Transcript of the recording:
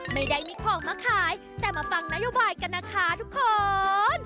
ไม่ได้มีของมาขายแต่มาฟังนโยบายกันนะคะทุกคน